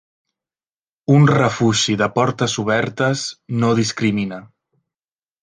Un refugi de portes obertes no discrimina.